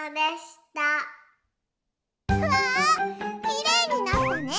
きれいになったね！